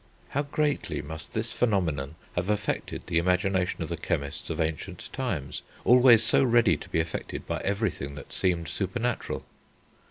How greatly must this phenomenon have affected the imagination of the chemists of ancient times, always so ready to be affected by everything that seemed supernatural!